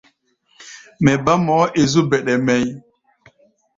Mɛ bá mɔʼɔ é zú bɛɗɛ mɛʼí̧.